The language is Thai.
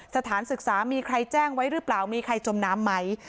สถานศึกษามีใครแจ้งไว้หรือเปล่ามีใครจมน้ำไหม